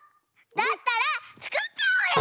だったらつくっちゃおうよ！